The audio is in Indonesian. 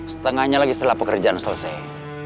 setengahnya lagi setelah pekerjaan selesai